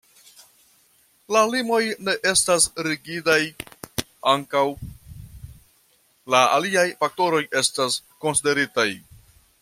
La limoj ne estas rigidaj, ankaŭ la aliaj faktoroj estas konsideritaj.